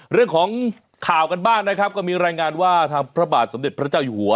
เรื่องของข่าวกันบ้างนะครับก็มีรายงานว่าทางพระบาทสมเด็จพระเจ้าอยู่หัว